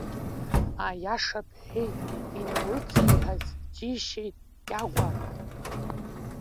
Аиаша бҳәеит, иналыциҳәаз џьеишьеит Кьагәа.